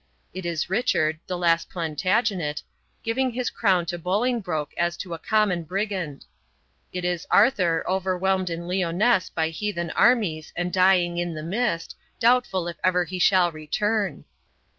It is Richard, the last Plantagenet, giving his crown to Bolingbroke as to a common brigand. It is Arthur, overwhelmed in Lyonesse by heathen armies and dying in the mist, doubtful if ever he shall return."